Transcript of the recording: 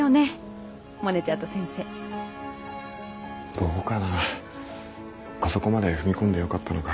どうかなあそこまで踏み込んでよかったのか。